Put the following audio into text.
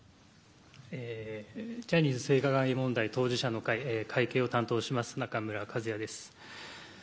ジャニーズ性加害問題当事者の会会計を担当します、中村一也です。